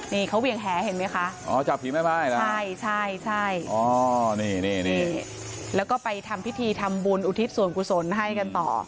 นี่เขาเวียงแห่เห็นไหมคะจับผีไม่ไม่ใช่แล้วก็ไปทำพิธีทำบุญอุทิศสวงกุศลให้กันต่อ